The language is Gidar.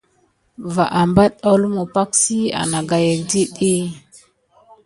Va apat ó lumu pak si agaye aka det ɗiy.